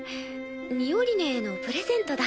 ミオリネへのプレゼントだ。